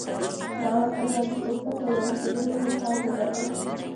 ما ورته وویل: په پوسته کې وم، چې ډېر مهم کار مې درلود.